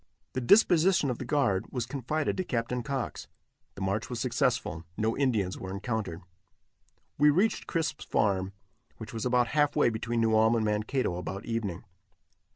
The disposition of the guard was confided to Captain Cox. The march was successful; no Indians were encountered. We reached Crisp's farm, which was about half way between New Ulm and Mankato, about evening.